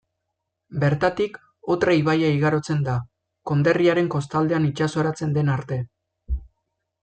Bertatik, Otra ibaia igarotzen da, konderriaren kostaldean itsasoratzen den arte.